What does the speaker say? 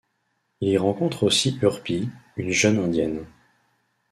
Il y rencontre aussi Urpi, une jeune Indienne.